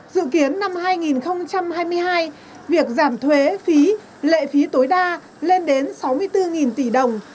dự kiến năm hai nghìn hai mươi hai việc giảm thuế phí lệ phí tối đa lên đến sáu mươi bốn tỷ đồng